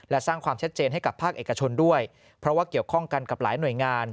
และสร้างความชัดเจนให้กับภาคเอกชนด้วยเพราะว่าเกี่ยวข้องกันกับหลายหน่วยงาน